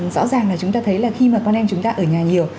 rõ ràng là chúng ta thấy là khi mà con em chúng ta ở nhà nhiều